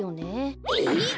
え！